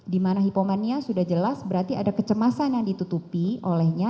dimana hipomania sudah jelas berarti ada kecemasan yang ditutupi olehnya